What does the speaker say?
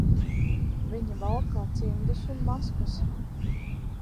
Viņi valkā cimdus un maskas.